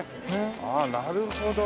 ああなるほどね。